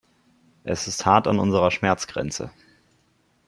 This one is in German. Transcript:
Es ist hart an unserer Schmerzgrenze.